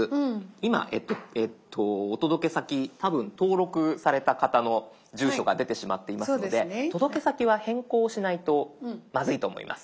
今お届け先多分登録された方の住所が出てしまっていますので届け先は変更しないとまずいと思います。